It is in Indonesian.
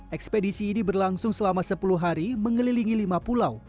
ekspedisi ini berlangsung selama sepuluh hari mengelilingi lima pulau